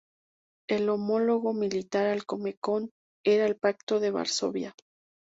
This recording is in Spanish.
El homólogo militar al Comecon era el Pacto de Varsovia.